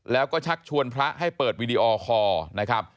แล้วก็ชักชวนพระให้เปิดวีดีโอคอร์นะครับ